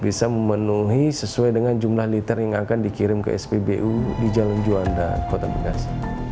bisa memenuhi sesuai dengan jumlah liter yang akan dikirim ke spbu di jalan juanda kota bekasi